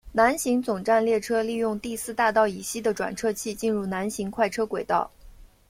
南行总站列车利用第四大道以西的转辙器进入南行快车轨道。